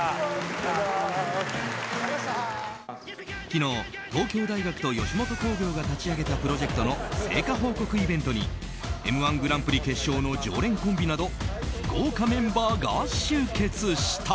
昨日、東京大学と吉本興業が立ち上げたプロジェクトの成果報告イベントに「Ｍ‐１グランプリ」決勝の常連コンビなど豪華メンバーが集結した。